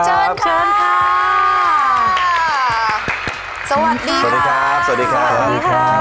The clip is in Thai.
เชิญครับเชิญค่าาาาาาาไฟเชิญค่าาาา